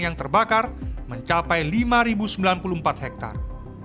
yang terbakar mencapai lima sembilan puluh empat hektare